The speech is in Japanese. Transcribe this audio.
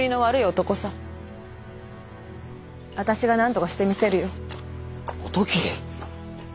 私がなんとかしてみせるよ。お時。